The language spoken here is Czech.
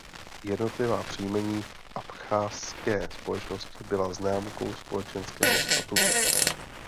Jednotlivá příjmení v abchazské společnosti byla známkou společenského statutu.